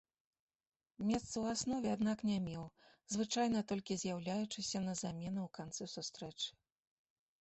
Месца ў аснове, аднак, не меў, звычайна толькі з'яўляючыся на замену ў канцы сустрэчы.